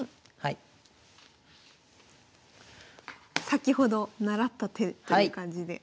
先ほど習った手という感じで。